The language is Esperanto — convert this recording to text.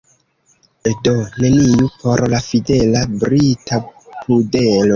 Do neniu por la fidela, brita pudelo.